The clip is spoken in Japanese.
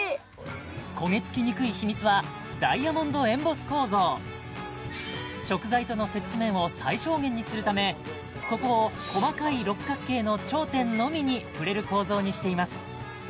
焦げ付きにくい秘密はダイヤモンドエンボス構造食材との接地面を最小限にするため底を細かい六角形の頂点のみに触れる構造にしています